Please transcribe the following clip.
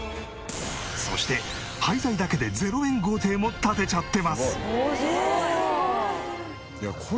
そして廃材だけで０円豪邸も建てちゃってます。